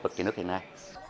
về nước hiện nay